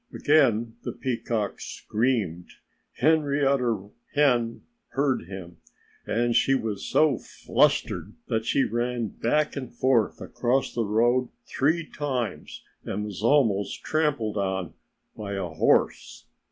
Again the peacock screamed. Henrietta Hen heard him. And she was so flustered that she ran back and forth across the road three times and was almost trampled on by a horse.